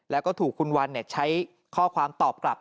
แล้วก็ถูกคุณวันใช้ข้อความตอบกลับ